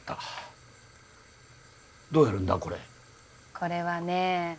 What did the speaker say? これはね